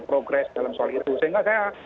progres dalam soal itu sehingga saya